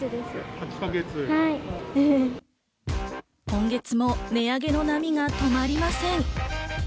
今月も値上げの波が止まりません。